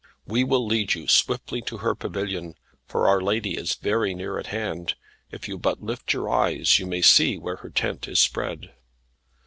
We will lead you swiftly to her pavilion, for our lady is very near at hand. If you but lift your eyes you may see where her tent is spread."